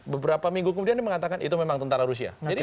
beberapa minggu kemudian dia mengatakan itu memang tentara rusia